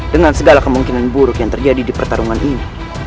dengan segala kemungkinan buruk yang terjadi di pertarungan ini